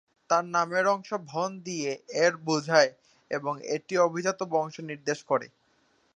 তার নামের অংশ "ভন" দিয়ে "এর" বোঝায় এবং এটি অভিজাত বংশ নির্দেশ করে।